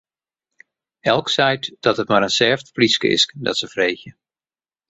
Elk seit dat it mar in sêft pryske is, dat se freegje.